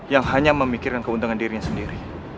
yang hanya memikirkan keuntungan dirinya sendiri